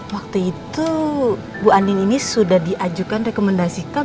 waktu itu bu andin ini sudah diajukan rekomendasikan